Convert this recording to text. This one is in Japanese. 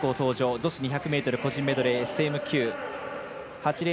女子２００ｍ個人メドレー